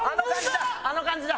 あの感じだ！